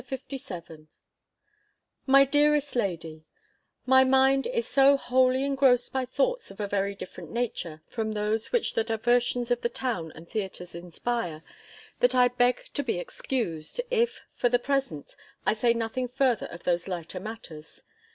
LETTER LVII MY DEAREST LADY, My mind is so wholly engrossed by thoughts of a very different nature from those which the diversions of the town and theatres inspire, that I beg to be excused, if, for the present, I say nothing further of those lighter matters.